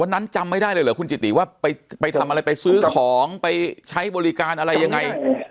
จำไม่ได้เลยเหรอคุณจิติว่าไปทำอะไรไปซื้อของไปใช้บริการอะไรยังไง